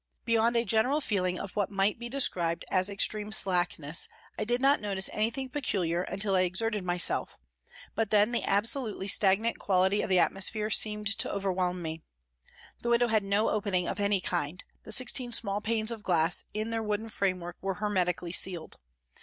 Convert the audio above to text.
Beyond a general feeling of what might be described as extreme slackness I did not notice anything peculiar until I exerted myself, but then the absolutely stagnant quality of the atmosphere seemed to overwhelm me. The window had no opening of any kind, the sixteen small panes of glass in their wooden framework were hermetically sealed.